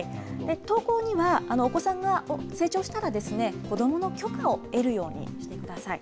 投稿には、お子さんが成長したら、子どもの許可を得るようにしてください。